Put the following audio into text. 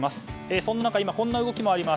そんな中、今こんな動きもあります。